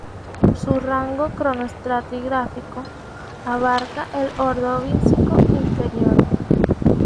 Su rango cronoestratigráfico abarca el Ordovícico inferior.